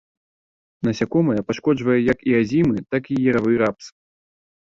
Насякомае пашкоджвае як і азімы, так і яравы рапс.